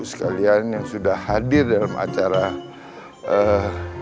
sekalian yang sudah hadir dalam acara ini